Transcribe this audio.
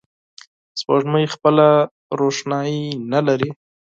سپوږمۍ خپله روښنایي نه لري